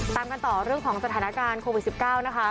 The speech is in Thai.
ตามกันต่อเรื่องของสถานการณ์โควิด๑๙นะคะ